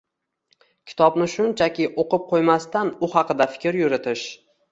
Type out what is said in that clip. Kitobni shunchaki o‘qib qo‘ymasdan, u haqida fikr yuritish